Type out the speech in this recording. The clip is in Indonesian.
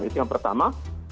itu yang pertama